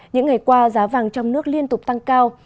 những ngày qua giá vàng trong nước liên tục tăng cao